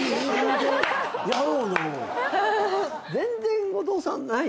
全然後藤さんない。